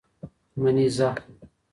منېزه